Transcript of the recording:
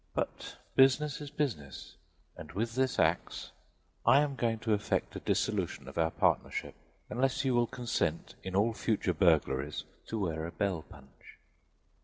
But business is business, and with this axe I am going to effect a dissolution of our partnership unless you will consent in all future burglaries to wear a bell punch."